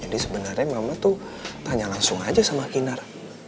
jadi sebenarnya mama tuh tanya langsung aja sama kinar